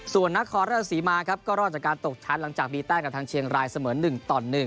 ส่วนนครราชศรีมาครับก็รอดจากการตกชั้นหลังจากมีแต้มกับทางเชียงรายเสมอ๑ต่อ๑